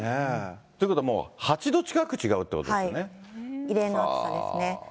ということは、もう８度近く違う異例の暑さですね。